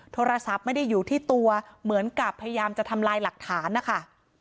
โทรศัพท์ไม่ได้อยู่ที่ตัวเหมือนกับพยายามจะทำลายหลักฐานนะคะ